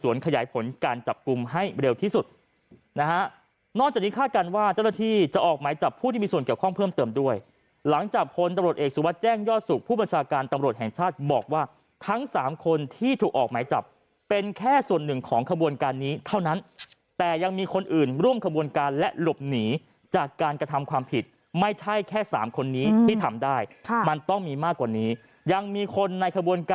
ออกไหมจับผู้ที่มีส่วนเกี่ยวข้องเพิ่มเติมด้วยหลังจากคนตำรวจเอกสุรวจแจ้งยอดสุขผู้บัญชาการตำรวจแห่งชาติบอกว่าทั้งสามคนที่ถูกออกไหมจับเป็นแค่ส่วนหนึ่งของขบวนการนี้เท่านั้นแต่ยังมีคนอื่นร่วมขบวนการและหลบหนีจากการกระทำความผิดไม่ใช่แค่สามคนนี้ที่ทำได้มันต้องมีมากกว่านี้ยังมีคนในข